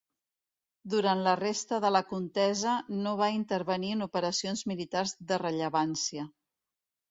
Durant la resta de la contesa no va intervenir en operacions militars de rellevància.